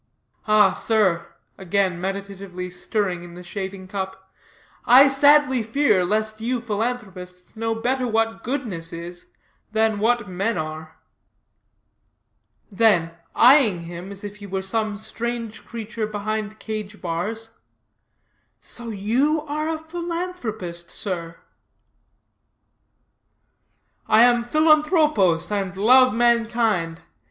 Ah, sir," again meditatively stirring in the shaving cup, "I sadly fear, lest you philanthropists know better what goodness is, than what men are." Then, eying him as if he were some strange creature behind cage bars, "So you are a philanthropist, sir." "I am Philanthropos, and love mankind.